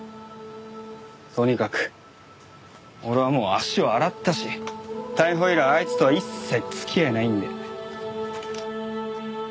とにかく俺はもう足を洗ったし逮捕以来あいつとは一切付き合いないんで。